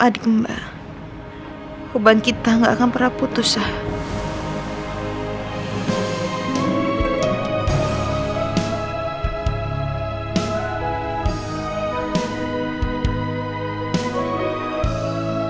di mobil itu ada nenek cucu sama bodyguard nya bos